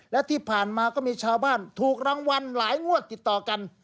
และที่ผ่านมาก็มีชาวบ้านถูกรางวัลหลายงวดติดต่อกัน